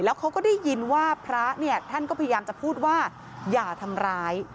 เขาก็ได้ยินว่าพระเนี่ยท่านก็พยายามจะพูดว่าอย่าทำร้าย